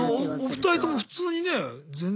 お二人とも普通にね全然。